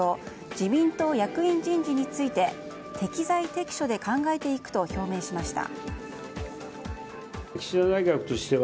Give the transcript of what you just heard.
自民党役員人事について適材適所で考えていくと表明しました。